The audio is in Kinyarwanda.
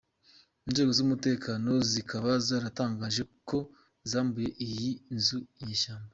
Inzego z’umutekano zikaba zaratangaje ko zambuye iyi nzu inyeshyamba.